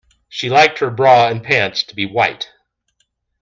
She liked her bra and pants to be white